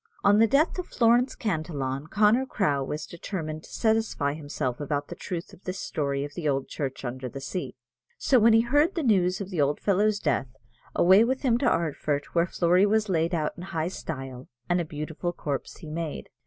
On the death of Florence Cantillon, Connor Crowe was determined to satisfy himself about the truth of this story of the old church under the sea: so when he heard the news of the old fellow's death, away with him to Ardfert, where Flory was laid out in high style, and a beautiful corpse he made.